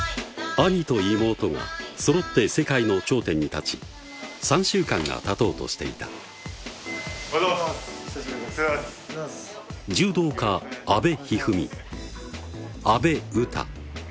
兄と妹がそろって世界の頂点に立ち３週間がたとうとしていたおはようございます！